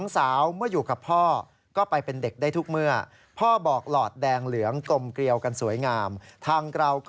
แหมเรื่องของหลอดดูดดูดเป็นเหลือแส่ได้นะครับ